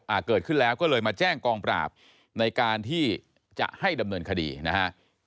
เกิดขึ้นแล้วก็เลยมาแจ้งกองปราบในการที่จะให้ดำเนินคดีนะฮะ